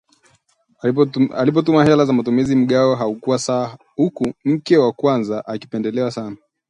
Alipotuma hela za matumizi, mgawo haukuwa sawa huku mke wa kwanza akipendelewa sana